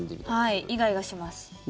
はい、イガイガします。